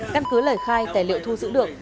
căn cứ lời khai tài liệu thu giữ được